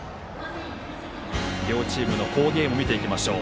両チームの好ゲームを見ていきましょう。